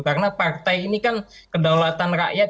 karena partai ini kan kedaulatan rakyat